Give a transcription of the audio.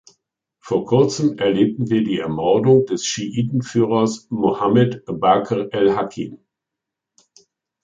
Vor kurzem erlebten wir die Ermordung des Schiitenführers Mohammed Bakr el Hakim.